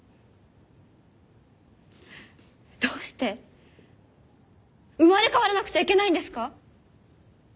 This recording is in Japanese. どうして生まれ変わらなくちゃいけないんですか？